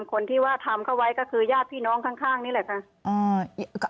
คนที่ว่าทำเข้าไว้ก็คือญาติพี่น้องข้างนี่แหละค่ะ